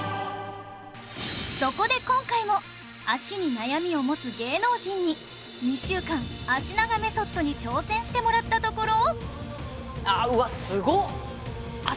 そこで今回も脚に悩みを持つ芸能人に２週間脚長メソッドに挑戦してもらったところ